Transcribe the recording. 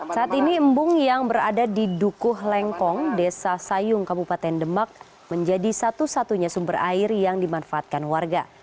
saat ini embung yang berada di dukuh lengkong desa sayung kabupaten demak menjadi satu satunya sumber air yang dimanfaatkan warga